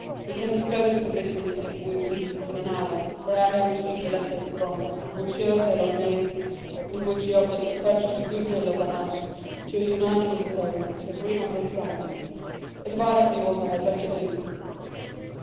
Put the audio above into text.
We can dispose of the business, if we please, in an hour, for I have received a letter from M. Delaunay, in which he offers to purchase the good will of the house, to unite with his own, for 300,000 francs. Advise me what I had better do.